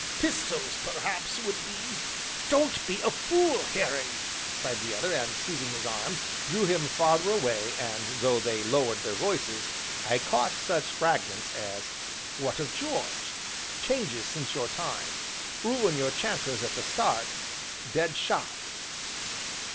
Pistols perhaps would be " "Don't be a fool, Harry," cried the other, and seizing his arm, drew him farther away, and, though they lowered their voices, I caught such fragments as "What of George?" "changes since your time," "ruin your chances at the start," "dead shot."